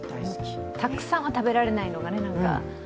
たくさんは食べられないのがね。